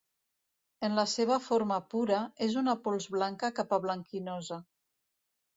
En la seva forma pura, és una pols blanca cap a blanquinosa.